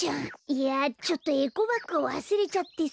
いやちょっとエコバッグをわすれちゃってさ。